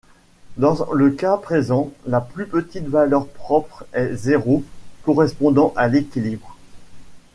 Dans le cas présent la plus petite valeur propre est zéro, correspondant à l'équilibre.